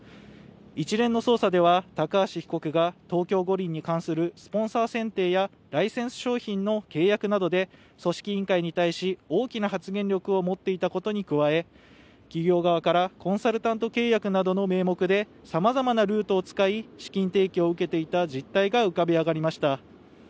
一連の捜査では高橋被告が東京五輪に関するスポンサー選定やライセンス商品の契約などで組織委員会に対し大きな発言力を持っていたことに加え企業側からコンサルタント契約などの名目でさまざまなルートを使い資金提供を受けていた実態が浮かび上がりました。